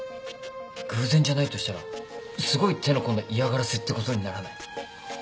偶然じゃないとしたらすごい手の込んだ嫌がらせってことにならない？